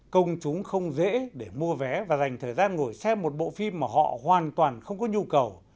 công chúng không dễ để mua vé và dành thời gian ngồi xem một bộ phim mà họ hoàn toàn không có nhu cầu